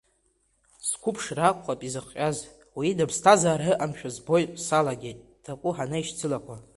Сқәыԥшра акәхап изыхҟьаз, уи ида ԥсҭазаара ыҟамшәа збо салагеит такәы ҳанеишьцылақәа…